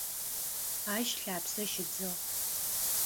Ащ лъапсэ щыдзыгъ.